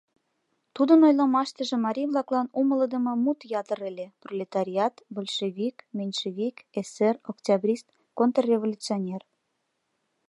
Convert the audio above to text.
Тудын ойлымаштыже марий-влаклан умылыдымо мут ятыр ыле: пролетариат, большевик, меньшевик, эсер, октябрист, контрреволюционер.